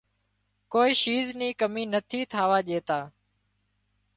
ڪوئي شيز نِي ڪمي نٿي ٿاوا ڄيتان